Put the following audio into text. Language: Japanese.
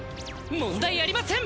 問題ありません！